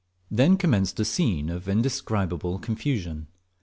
Then commenced a scene of indescribable confusion.